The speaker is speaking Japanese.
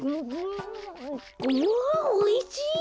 うわおいしい。